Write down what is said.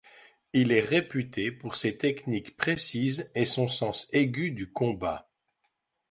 Il est réputé pour ses techniques précises et son sens aigu du combat.